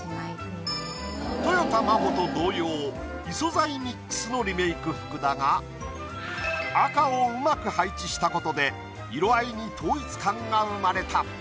とよた真帆と同様異素材ミックスのリメイク服だが赤をうまく配置したことで色合いに統一感が生まれた。